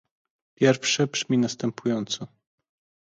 Pierwsze brzmi następująco